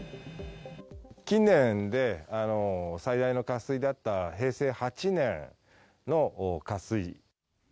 近年で最大の渇水であった平成８年の渇水。